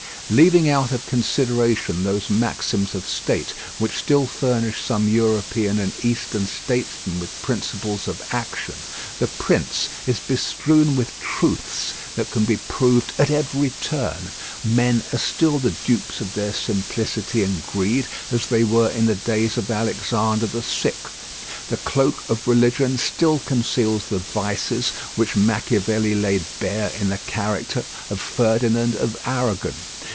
Leaving out of consideration those maxims of state which still furnish some European and eastern statesmen with principles of action, The Prince is bestrewn with truths that can be proved at every turn. Men are still the dupes of their simplicity and greed, as they were in the days of Alexander VI. The cloak of religion still conceals the vices which Machiavelli laid bare in the character of Ferdinand of Aragon.